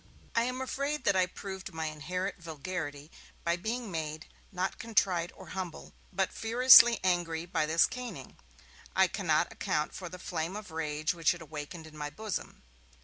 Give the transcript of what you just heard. I am afraid that I proved my inherent vulgarity by being made, not contrite or humble, but furiously angry by this caning. I cannot account for the flame of rage which it awakened in my bosom.